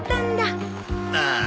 ああ。